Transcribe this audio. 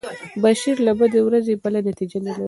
بغیر له بدې ورځې بله نتېجه نلري.